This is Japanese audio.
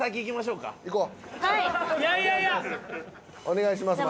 お願いします。